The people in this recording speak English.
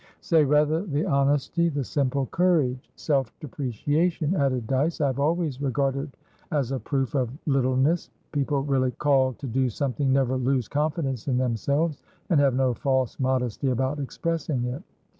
"Say, rather, the honesty, the simple courage. Self depreciation," added Dyce, "I have always regarded as a proof of littleness. People really called to do something never lose confidence in themselves, and have no false modesty about expressing it."